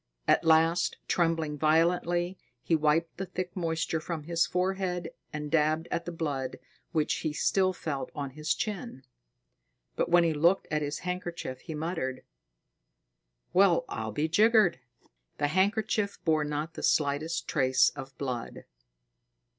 At last, trembling violently, he wiped the thick moisture from his forehead and dabbed at the blood which he still felt on his chin. But when he looked at his handkerchief, he muttered: "Well, I'll be jiggered!" The handkerchief bore not the slightest trace of blood.